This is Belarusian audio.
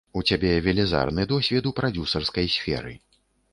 У цябе велізарны досвед у прадзюсарскай сферы.